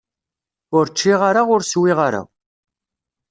Ur ččiɣ ara, ur swiɣ ara.